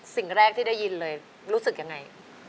สิ่งแรกที่ได้ยินเลยรู้สึกยังไง